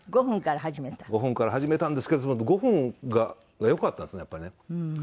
５分から始めたんですけど５分がよかったんですねやっぱりね。